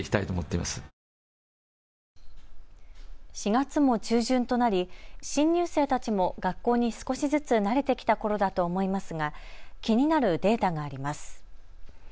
４月も中旬となり新入生たちも学校に少しずつ慣れてきたころだと思いますが気になるデータがあります。